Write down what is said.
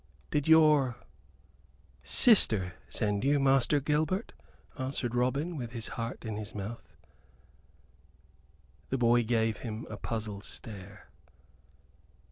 "Did your sister send you, Master Gilbert?" asked Robin, with his heart in his mouth. The boy gave him a puzzled stare.